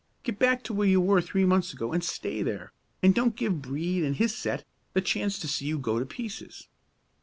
Get back to where you were three months ago, and stay there, and don't give Brede and his set the chance to see you go to pieces.